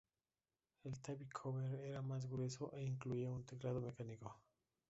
El Type Cover era más grueso e incluía un teclado mecánico.